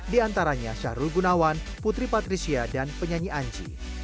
diantaranya syahrul gunawan putri patricia dan penyanyi anji